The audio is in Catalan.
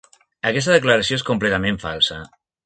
Aquesta declaració és completament falsa.